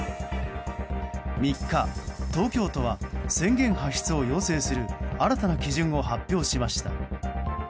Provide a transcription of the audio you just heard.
３日、東京都は宣言発出を要請する新たな基準を発表しました。